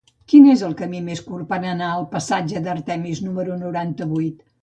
Quin és el camí més curt per anar al passatge d'Artemis número noranta-vuit?